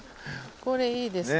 これいいですね。